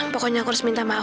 pokoknya aku harus minta maaf